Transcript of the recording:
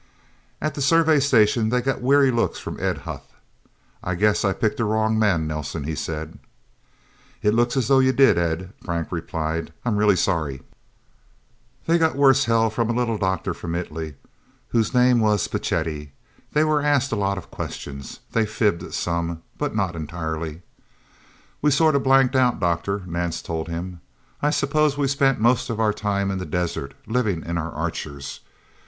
At the Survey Station they got weary looks from Ed Huth. "I guess I picked a wrong man, Nelsen," he said. "It looks as though you did, Ed," Frank replied. "I'm really sorry." They got worse hell from a little doctor from Italy, whose name was Padetti. They were asked a lot of questions. They fibbed some, but not entirely. "We sort of blanked out, Doctor," Nance told him. "I suppose we spent most of our time in the desert, living in our Archers.